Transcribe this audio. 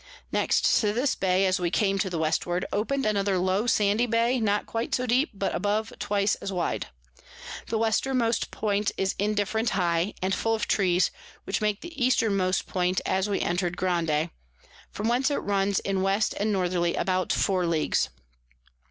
Next to this Bay, as we came to the Westward, open'd another low sandy Bay, not quite so deep, but above twice as wide. The Westermost Point is indifferent high, and full of Trees, which makes the Eastermost Point as we enter'd Grande; from whence it runs in West and Northerly about 4 Ls.